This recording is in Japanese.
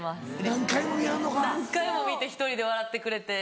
何回も見て１人で笑ってくれて。